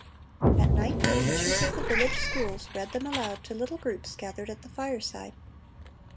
At night the teachers of the village schools read them aloud to little groups gathered at the fireside.